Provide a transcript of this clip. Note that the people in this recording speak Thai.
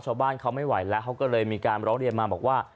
ชาวบ้านเขาไม่ไหวแล้วเขาก็เลยมีการร้องเรียนมาบอกว่า